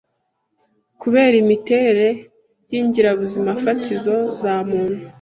kubera imiterere y'ingirabuzima fatizo za muntu